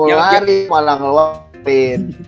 tidak mau ngelari malah ngelapin